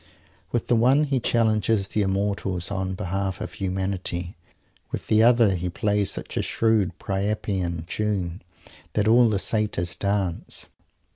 With the one he challenges the Immortals on behalf of humanity; with the other he plays such a shrewd Priapian tune that all the Satyrs dance.